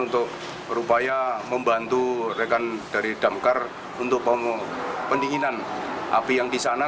untuk berupaya membantu rekan dari damkar untuk pendinginan api yang di sana